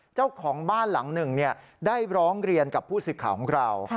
เจ้าของบ้านหลังหนึ่งได้ร้องเรียนกับผู้สื่อข่าวของเรา